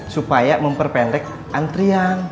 supaya memperpendek antrian